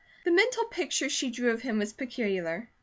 The mental picture she drew of him was peculiar.